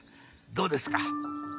どうですか？